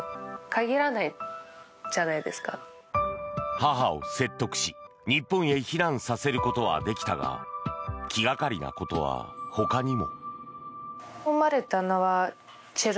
母を説得し日本へ避難させることはできたが気がかりなことは、ほかにも。